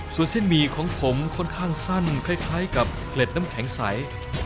ส่วนเส้นหมี่ของผมค่อนข้างสั้นคล้ายกับเกล็ดน้ำแข็งใส